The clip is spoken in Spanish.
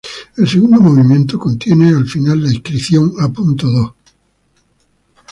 El segundo movimiento contiene al final la inscripción "A. Do.